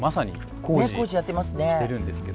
工事やってますね。